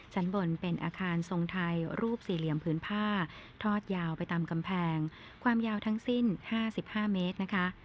ชั้นบนเป็นอาคารทรงไทยรูปสี่เหลี่ยมพื้นผ้าทอดยาวไปตามกำแพงความยาวทั้งสิ้น๕๕เมตรนะคะ